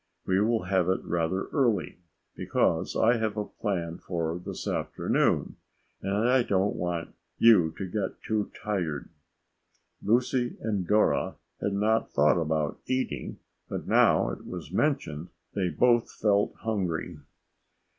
"We will have it rather early because I have a plan for this afternoon and I don't want you to get too tired." Lucy and Dora had not thought about eating, but now it was mentioned, they both felt hungry.